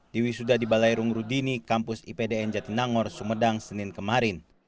di wisuda di balai rungrudini kampus ipdn jatinangor sumedang senin kemarin